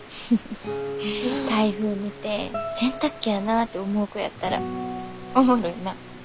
台風見て洗濯機やなって思う子やったらおもろいな。